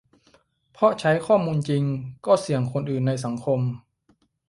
เพราะใช้ข้อมูลจริง ก็เสี่ยงคนอื่นในสังคม